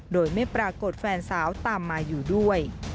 โดยไม่ปรากฏแฟนสาวตามมาอยู่ด้วย